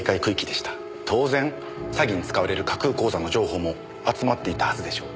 当然詐欺に使われる架空口座の情報も集まっていたはずでしょう。